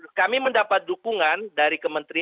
ya memang kami mendapat dukungan dari teman teman